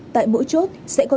tại mỗi chốt sẽ có một tỉnh lân cận